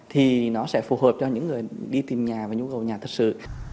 thì nó sẽ phù hợp cho những người đi tìm nhà và nhu cầu nhà thật sự